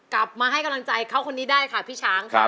กลับมาให้กำลังใจเขาคนนี้ได้ค่ะพี่ช้างค่ะ